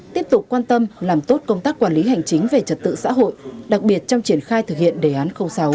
tiếp tục quan tâm làm tốt công tác quản lý hành chính về trật tự xã hội đặc biệt trong triển khai thực hiện đề án sáu